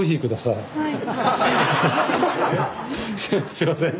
すみません。